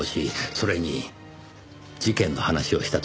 それに事件の話をした時。